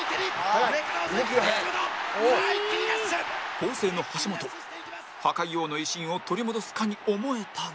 攻勢の橋本破壊王の威信を取り戻すかに思えたが